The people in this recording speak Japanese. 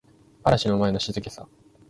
嵐の前の静けさ